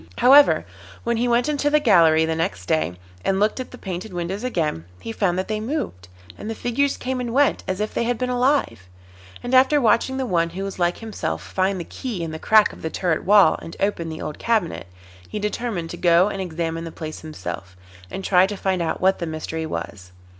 However, when he went into he gallery next day and looked at the painted windows again, he found that they moved, and the figures came and went as if they had been alive, and after watching the one who was like himself find the key in the crack of the turret wall and open the old cabinet, he determined to go and examine the place himself, and try to find out what the mystery was.